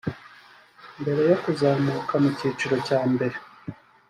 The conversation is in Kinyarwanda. mbere yo kuzamuka mu cyiciro cya mbere